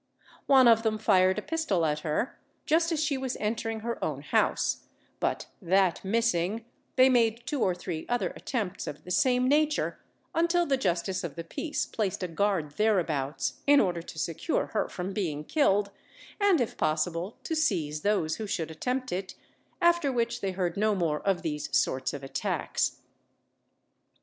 One of them fired a pistol at her, just as she was entering her own house, but that missing, they made two or three other attempts of the same nature, until the Justice of the Peace placed a guard thereabouts, in order to secure her from being killed, and if possible to seize those who should attempt it, after which they heard no more of these sorts of attacks.